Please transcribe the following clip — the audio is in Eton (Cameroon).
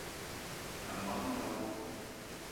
Mań món menga wo!